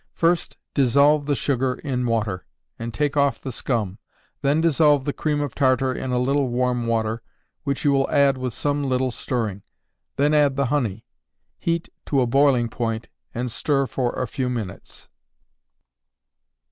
First dissolve the sugar in water, and take off the scum; then dissolve the cream of tartar in a little warm water, which you will add with some little stirring; then add the honey; heat to a boiling point, and stir for a few minutes.